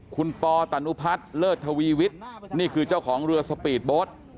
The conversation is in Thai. คุณปอตนุพัฒน์เลิศทวีวิทย์นี่คือเจ้าของเรือสปีดโบ๊ท